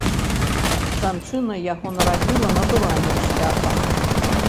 Жанчына яго нарадзіла натуральным шляхам.